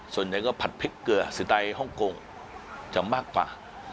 ส่วนใหญ่ก็ผัดพริกเกลือสไตล์ฮ่องกงจะมากกว่า